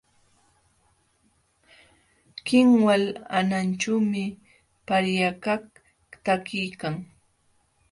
Kinwal hanaćhuumi paryakaq takiykan.